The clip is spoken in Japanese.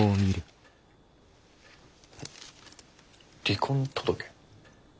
離婚届？